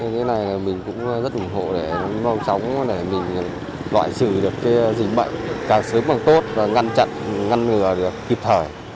thế này mình cũng rất ủng hộ để non sóng để mình loại trừ được cái dịch bệnh càng sớm càng tốt và ngăn chặn ngăn ngừa được kịp thời